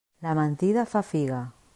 La mentida fa figa.